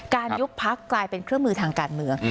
ยุบพักกลายเป็นเครื่องมือทางการเมือง